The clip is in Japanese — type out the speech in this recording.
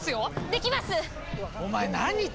できます。